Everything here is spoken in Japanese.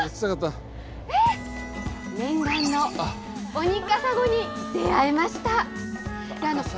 オニカサゴに出会えました。